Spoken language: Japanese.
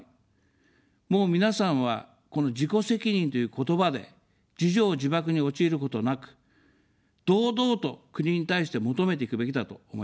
もう皆さんは、この自己責任という言葉で自縄自縛に陥ることなく、堂々と国に対して求めていくべきだと思います。